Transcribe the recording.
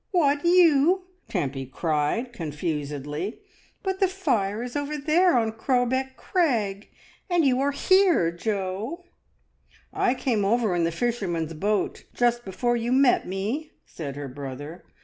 "What, youl" Tempy cried confusedly. "But the fire is over there on Crowbeck Crag, and you are here, Jo." "I came over in the fisherman's boat just before you met me," said her brother.